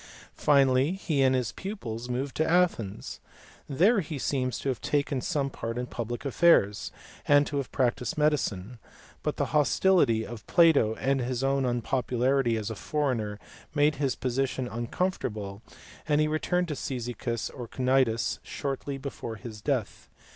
Finally he and his pupils moved to Athens. There he seems to have taken some part in public affairs, and to have practised medicine ; but the hostility of Plato and his own unpopularity as a foreigner made his position uncomfortable, and he returned to Cyzicus or Cnidus shortly before his death.